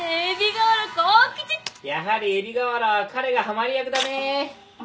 やはり海老河原は彼がはまり役だね。